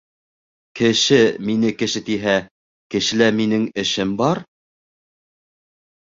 Кеше мине кеше тиһә -Кешелә минең эшем бар.